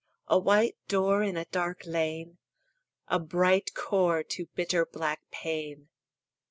A white door In a dark lane; A bright core To bitter black pain.